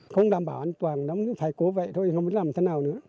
không đảm bảo an toàn phải cố vậy thôi không biết làm thế nào nữa